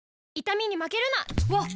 わっ！